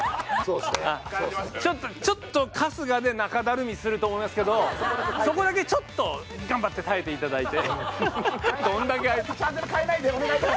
ちょっと春日で中だるみすると思いますけど、そこだけちょっと頑張って耐えていただいて。